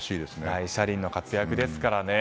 大車輪の活躍ですからね。